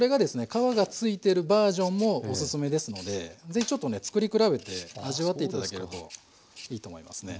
皮が付いてるバージョンもおすすめですので是非ちょっとね作り比べて味わって頂けるといいと思いますね。